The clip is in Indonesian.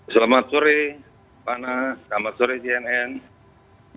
selamat sore pana selamat sore jnn